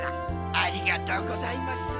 ありがとうございます。